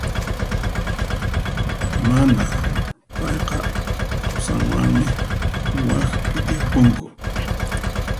Mana, payqa qusanwanmi waqpi tiyapunku.